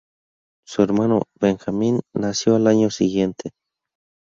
Su hermano, Benjamin, nació al año siguiente.